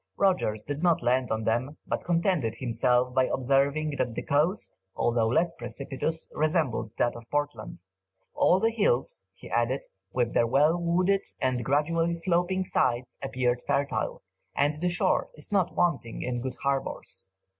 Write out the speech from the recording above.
Rogers did not land on them, but contented himself with observing that the coast, although less precipitous, resembled that of Portland. "All the hills," he added, "with their well wooded and gradually sloping sides, appeared fertile, and the shore is not wanting in good harbours."